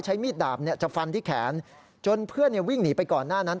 ใช้มีดดาบจะฟันที่แขนจนเพื่อนวิ่งหนีไปก่อนหน้านั้น